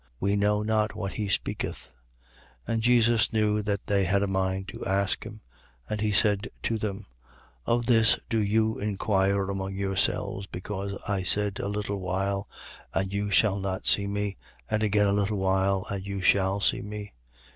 We know not what he speaketh. 16:19. And Jesus knew that they had a mind to ask him. And he said to them: Of this do you inquire among yourselves, because I said: A little while, and you shall not see me; and again a little while, and you shall see me?